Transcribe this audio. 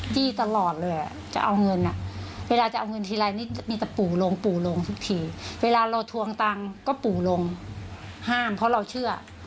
จี้ตลอดเลยจะเอาเงินเวลาจะเอาเงินทีไรนี่จะมีแต่ปู่ลงปู่ลงทุกทีเวลาเราทวงตังค์ก็ปู่ลงห้ามเพราะเราเชื่อ